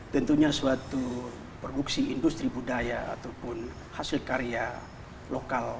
tentunya suatu produksi industri budaya ataupun hasil karya lokal